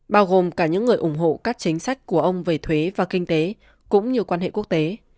bao gồm cả những người ủng hộ các chính sách của ông về thuế và kinh tế cũng như quan hệ quốc tế